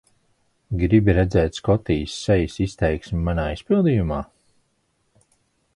Gribi redzēt Skotija sejas izteiksmi manā izpildījumā?